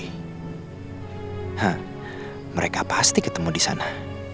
nah mereka pasti ketemu di sana